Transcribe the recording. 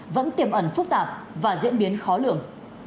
vẫn tiềm ẩn phức tạp và diễn biến khó lường